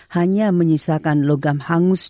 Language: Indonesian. hanya menyisakan logam hangus